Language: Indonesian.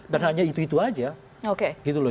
dan hanya itu itu aja gitu loh